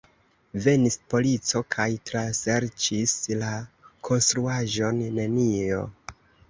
Venis polico kaj traserĉis la konstruaĵon: nenio.